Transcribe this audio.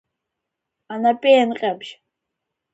Анапеинҟьабжь.